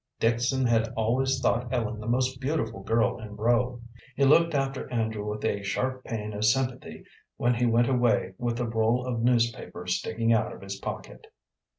Dixon had always thought Ellen the most beautiful girl in Rowe. He looked after Andrew with a sharp pain of sympathy when he went away with the roll of newspaper sticking out of his pocket.